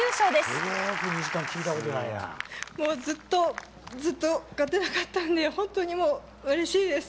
もうずっと、ずっと勝てなかったんで、本当にもう、うれしいです。